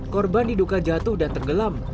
korban diduga jatuh dan tenggelam